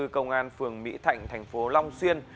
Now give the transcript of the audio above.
công an phường mỹ thạnh thành phố long xuyên